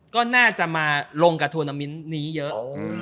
ก็น่าจะมาลงกับทวนามิ้นนี้เยอะ